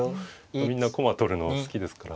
みんな駒取るの好きですから。